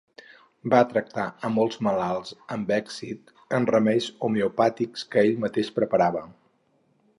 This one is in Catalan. Va tractar a molts malalts amb èxit amb remeis homeopàtics que ell mateix preparava.